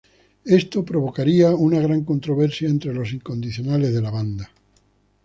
Esto provocaría una gran controversia entre los incondicionales de la banda.